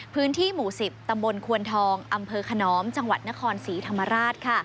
พื้นที่หมู่๑๐ตำบลควนทองอำเภอขนอมจังหวัดนครศรีธรรมราช